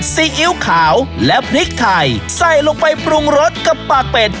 ซีอิ๊วขาวและพริกไทยใส่ลงไปปรุงรสกับปากเป็ด